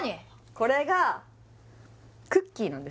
これがクッキー？